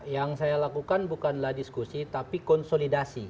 yang saya lakukan bukanlah diskusi tapi konsolidasi